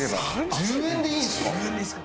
１０円でいいんですか？